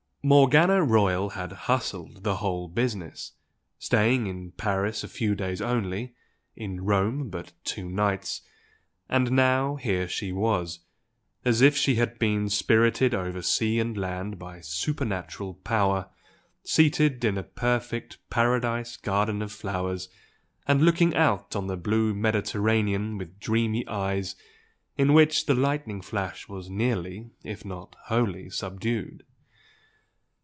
Morgana Royal had "hustled" the whole business, staying in Paris a few days only, in Rome but two nights; and now here she was, as if she had been spirited over sea and land by supernatural power, seated in a perfect paradise garden of flowers and looking out on the blue Mediterranean with dreamy eyes in which the lightning flash was nearly if not wholly subdued.